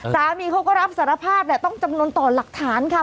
สามีเขาก็รับสารภาพต้องจำนวนต่อหลักฐานค่ะ